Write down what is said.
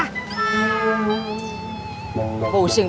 si muram kemana